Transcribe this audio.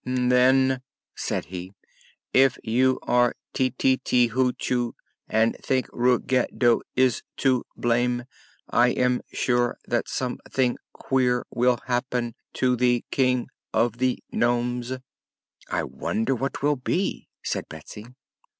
"Then," said he, "if you are Ti ti ti Hoo choo, and think Rug ge do is to blame, I am sure that some thing queer will hap pen to the King of the Nomes." "I wonder what 'twill be," said Betsy.